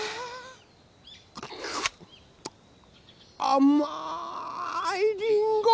あまいりんご！